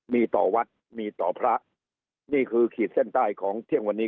มีต่อวัดมีต่อพระนี่คือขีดเส้นใต้ของเที่ยงวันนี้